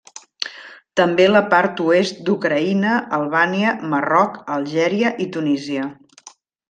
També la part oest d'Ucraïna, Albània, Marroc, Algèria i Tunísia.